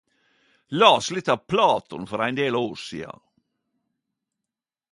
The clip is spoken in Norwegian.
Las litt av Platon for ein del år sidan.